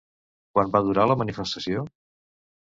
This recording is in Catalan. Quant va durar la manifestació?